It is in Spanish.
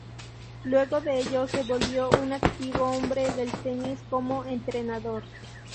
Luego de ello se volvió un activo hombre del tenis como entrenador.